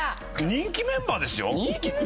人気メンバーですよ！